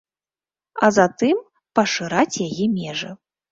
А затым пашыраць яе межы.